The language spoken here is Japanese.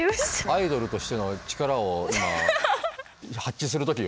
アイドルとしての力を今発揮する時よ。